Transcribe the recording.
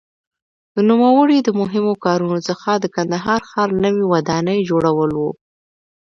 د نوموړي د مهمو کارونو څخه د کندهار ښار نوې ودانۍ جوړول وو.